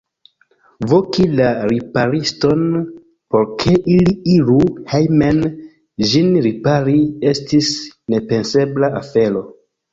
Voki la ripariston, por ke li iru hejmen ĝin ripari, estis nepensebla afero.